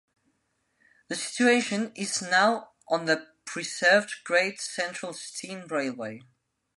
The station is now on the preserved Great Central Steam Railway.